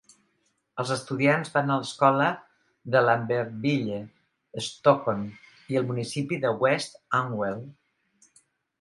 Els estudiants van a l'escola de Lambertville, Stockton i el municipi de West Amwell.